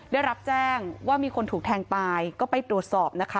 ได้รับแจ้งว่ามีคนถูกแทงตายก็ไปตรวจสอบนะคะ